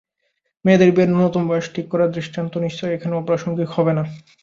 মেয়েদের বিয়ের ন্যূনতম বয়স ঠিক করার দৃষ্টান্ত নিশ্চয়ই এখানে অপ্রাসঙ্গিক হবে না।